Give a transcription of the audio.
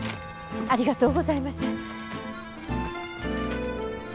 ありがとうございます。